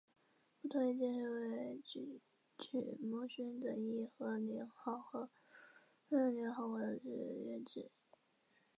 不同意见认为沮渠蒙逊的义和年号和沮渠牧犍的永和年号都可能是缘禾之错误。